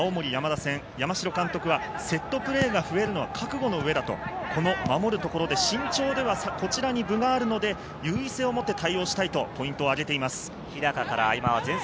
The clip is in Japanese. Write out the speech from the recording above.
今日の青森山田戦、山城監督はセットプレーが増えるのは覚悟の上だと、ここの守るところで身長ではこちらに分があるので、優位性を持って対応したいとポイントを挙げています。